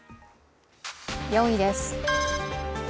４位です。